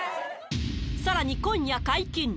さらに今夜解禁。